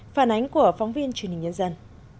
phản ánh của phóng viên truyền hình nhân dân